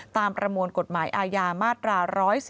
ตามประมวลกฎหมายอายามาตรา๑๑๒